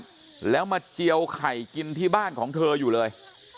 แล้วมาเจียวไข่กินที่บ้านของเธออยู่เลย